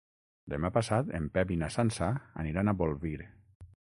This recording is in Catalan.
Demà passat en Pep i na Sança aniran a Bolvir.